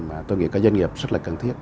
mà tôi nghĩ các doanh nghiệp rất là cần thiết